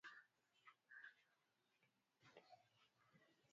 Futa viazi lishe baada ya kuviosha